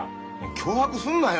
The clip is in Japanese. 脅迫すんなよ。